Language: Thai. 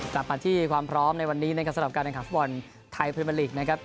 กลับมาที่ความพร้อมในวันนี้นะครับสำหรับการแข่งขันฟุตบอลไทยพรีเมอร์ลีกนะครับ